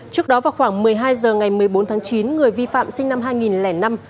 trước đó vào khoảng một mươi hai h ngày một mươi bốn tháng chín người vi phạm sinh năm hai nghìn năm